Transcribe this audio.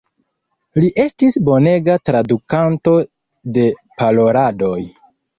Li estis bonega tradukanto de paroladoj.